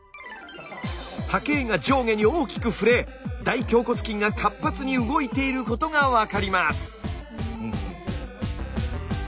波形が上下に大きく振れ大頬骨筋が活発に動いていることが分かります。